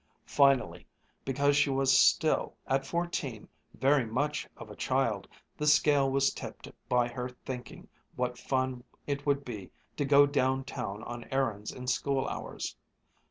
Finally, because she was still, at fourteen, very much of a child, the scale was tipped by her thinking what fun it would be to go down town on errands in school hours.